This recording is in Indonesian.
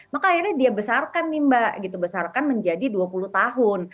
maka akhirnya dia besarkan nih mbak gitu besarkan menjadi dua puluh tahun